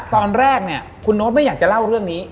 ตอนแรกเนี่ยคุณโน๊ตไม่อยากจะเล่าเรื่องนี้